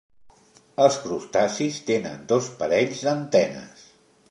Els crustacis tenen dos parells d'antenes.